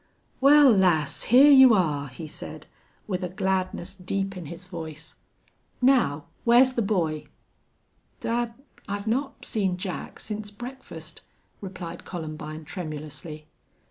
"Wal, lass, hyar you are," he said, with a gladness deep in his voice. "Now, whar's the boy?" "Dad I've not seen Jack since breakfast," replied Columbine, tremulously.